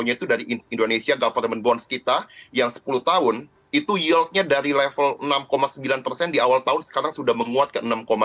itu dari indonesia government bonds kita yang sepuluh tahun itu yieldnya dari level enam sembilan persen di awal tahun sekarang sudah menguat ke enam tujuh